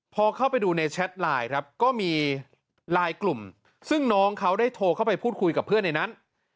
พอเข้าไปดูในแชทไลน์ครับก็มีไลน์กลุ่มซึ่งน้องเขาได้โทรเข้าไปพูดคุยกับเพื่อนในนั้น